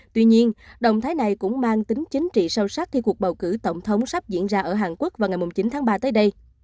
tuy nhiên động thái này cũng mang tính chính trị sâu sắc khi cuộc bầu cử tổng thống sắp diễn ra ở hàn quốc vào ngày chín tháng ba tới đây